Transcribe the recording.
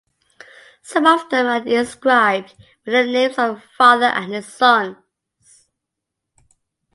Some of them are inscribed with the names of a father and his sons.